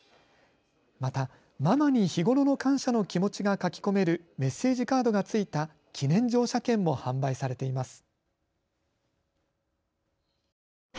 また、ママに日頃の感謝の気持ちが書き込めるメッセージカードが付いた記念乗車券も販売されています。